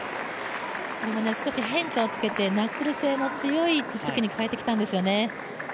これも少し変化をつけて、ナックル性の強いつっつきに変えてきたんですね。